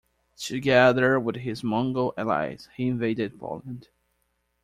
Together with his Mongol allies, he invaded Poland.